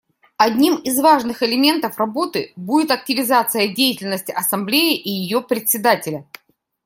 Одним из важных элементов работы будет активизация деятельности Ассамблеи и ее Председателя.